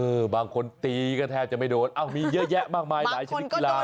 บางคนตีก็แทบจะไม่โดนมีเยอะแยะมากมายหลายชนิดกีฬา